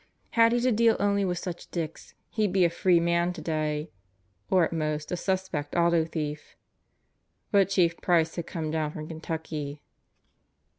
Had he to deal only with such dicks he'd be a free man today or at most a suspect auto thief. But Chief Price had come down from Kentucky.